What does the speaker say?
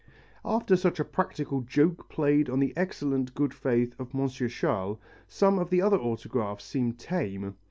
] After such a practical joke played on the excellent good faith of M. Chasles, some of the other autographs seem tame.